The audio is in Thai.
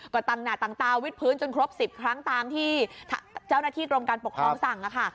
ก็ต่างวิทพื้นจนครบ๑๐ครั้งต่างที่เจ้าหน้าที่กรมการปกครองสั่งนะคะ